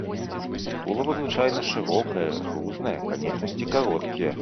Тулава звычайна шырокае, грузнае, канечнасці кароткія.